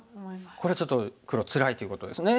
これちょっと黒つらいということですね。